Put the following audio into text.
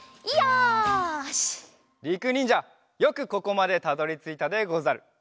りくにんじゃよくここまでたどりついたでござる。